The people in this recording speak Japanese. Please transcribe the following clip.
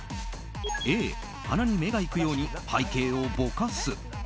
Ａ、花に目が行くように背景をぼかす。